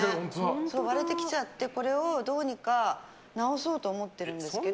割れてきちゃってこれをどうにか直そうと思ってるんですけど。